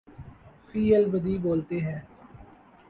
فی البدیہہ بولتے ہیں۔